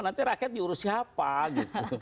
nanti rakyat diurus siapa gitu